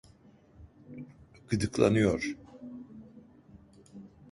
Gıdıklanıyor.